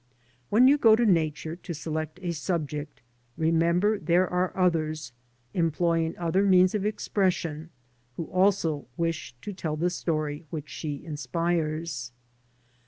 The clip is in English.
When you go to Nature to select a subject, remember there are others, employing other means of expression, who also wish to tell the story which she inspires.